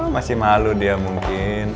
masih malu dia mungkin